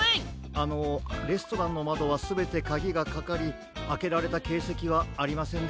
あのレストランのまどはすべてカギがかかりあけられたけいせきはありませんでした。